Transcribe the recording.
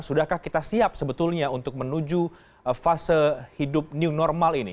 sudahkah kita siap sebetulnya untuk menuju fase hidup new normal ini